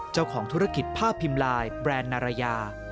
เจ้าของธุรกิจภาพพิมพ์ไลน์แบรนด์นารยา